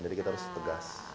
jadi kita harus tegas